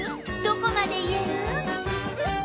どこまで言える？